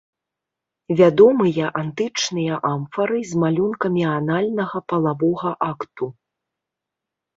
Вядомыя антычныя амфары з малюнкамі анальнага палавога акту.